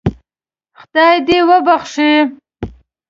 خدای دې وبخښي.